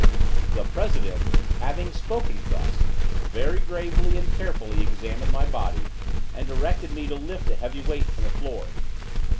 The president, having spoken thus, very gravely, and carefully examined my body, and directed me to lift a heavy weight from the floor.